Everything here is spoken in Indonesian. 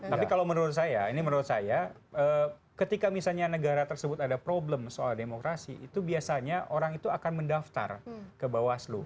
tapi kalau menurut saya ini menurut saya ketika misalnya negara tersebut ada problem soal demokrasi itu biasanya orang itu akan mendaftar ke bawaslu